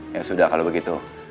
ya sudah kalo begitu